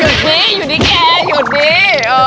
อยู่นี่อยู่นี่แกอยู่นี่